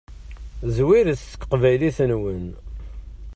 Zwiret seg teqbaylit-nwen.